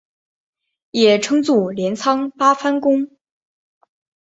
也称作镰仓八幡宫。